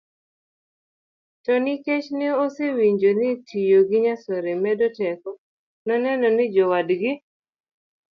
to nikech ne osewinjoga ni tiyo gi nyasore medo teko noneno ni jowadgi